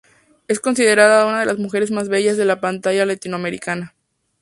Es considerada una de las mujeres más bellas de la pantalla latinoamericana.